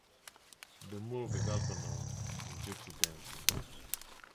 The move is also known in Gypsy dances.